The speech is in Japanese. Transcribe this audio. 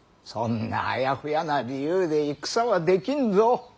そんなあやふやな理由で戦はできんぞ。